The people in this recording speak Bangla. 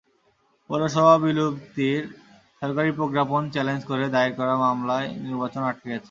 পৌরসভা বিলুপ্তির সরকারি প্রজ্ঞাপন চ্যালেঞ্জ করে দায়ের করা মামলায় নির্বাচন আটকে গেছে।